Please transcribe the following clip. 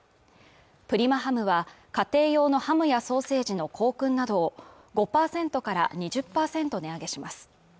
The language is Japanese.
プリマハムは家庭用のハムやソーセージの香薫などを５％から２０％値上げします